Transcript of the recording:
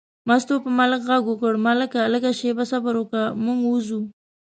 مستو په ملک غږ وکړ: ملکه لږه شېبه صبر وکړه، موږ وځو.